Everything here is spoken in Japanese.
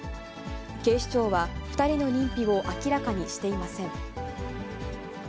警視庁は、２人の認否を明らかにしていません。